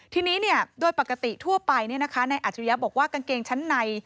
ทีนี้โดยปกติทั่วไปนายอัจฉริยะบอกว่ากางเกงชั้นใน